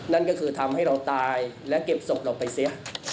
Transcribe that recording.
นั่นก็คือทำให้เราตายและเก็บศพเราไปเสีย